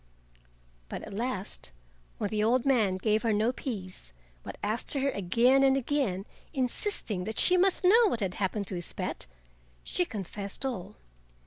But at last, when the old man gave her no peace, but asked her again and again, insisting that she must know what had happened to his pet, she confessed all.